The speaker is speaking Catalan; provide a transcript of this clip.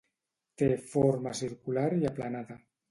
Té forma circular i aplanada.